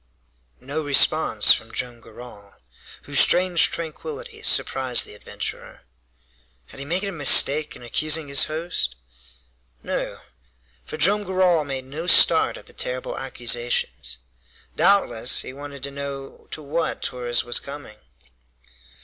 No response from Joam Garral, whose strange tranquillity surprised the adventurer. Had he made a mistake in accusing his host? No! For Joam Garral made no start at the terrible accusations. Doubtless he wanted to know to what Torres was coming.